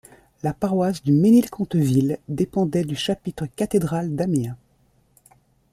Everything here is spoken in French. La paroisse du Mesnil-Conteville dépendait du chapitre cathédral d'Amiens.